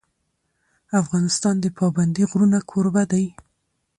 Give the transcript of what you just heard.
افغانستان د پابندی غرونه کوربه دی.